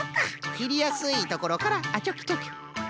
きりやすいところからあっチョキチョキ。